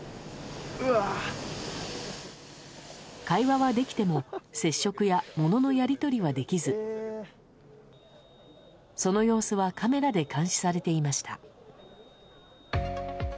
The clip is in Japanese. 会話はできても接触や物のやり取りはできずその様子はカメラで監視されていました。